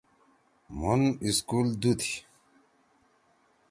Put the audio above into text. مُھن سکول دُو تھی۔